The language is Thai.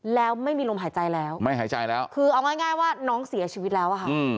แล้วไม่มีลมหายใจแล้วคือเอาง่ายว่าน้องเสียชีวิตแล้ว